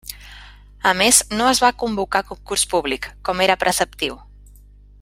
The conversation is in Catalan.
A més no es va convocar concurs públic, com era preceptiu.